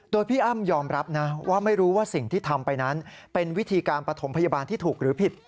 โดยพี่อ้ำยอมรับนะว่าไม่รู้ว่าสิ่งที่ทำไปนั้นเป็นวิธีการปฐมพยาบาลที่ถูกหรือผิด